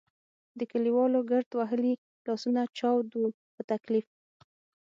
د کلیوالو ګرد وهلي لاسونه چاود وو په تکلیف.